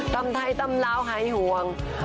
ตำไทยตำเหล้าไห้หวง